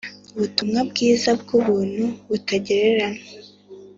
ubutumwa bwiza bw’ubuntu butagereranywa